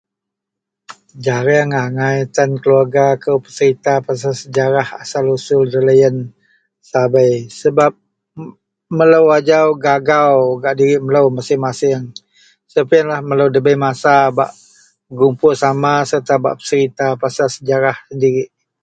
Jareang angai tan keluwerga kou peserita pasel sejarah asal-usul deloyen sabei sebab melou ajau gagau gak diri melou masieng-masieng sebab yenlah melou ndabei masa bak begupul sama sereta bak peserita pasel sejarah dirik